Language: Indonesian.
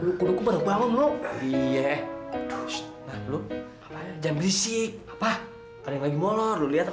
dulu kuduku baru bangun lu iya dus nah lu jangan berisik apa ada lagi molor lu lihat apa